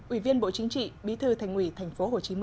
ủy viên bộ chính trị bí thư thành ủy tp hcm